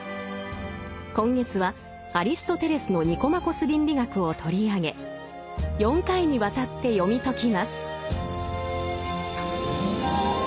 今月はアリストテレスの「ニコマコス倫理学」を取り上げ４回にわたって読み解きます。